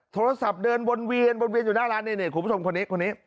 โทรศัพท์เดินวนเวียนวนเวียนอยู่หน้าร้านนี่คุณผู้ชมคนนี้คนนี้